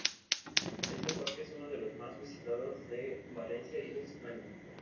Este parque es uno de los más visitados de Valencia y de España.